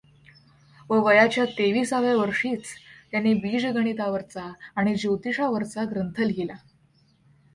व वयाच्या तेविसाव्या वर्षीच त्याने बीजगणितावरचा आणि ज्योतिषावरचा ग्रंथ लिहिला.